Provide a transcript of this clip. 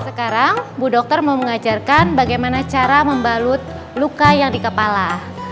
sekarang bu dokter mau mengajarkan bagaimana cara membalut luka yang di kepala